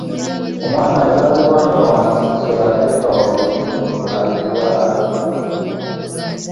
Omwana azaalibwa nga wansi kisolo ate nga waggulu muntu ayitibwa atya?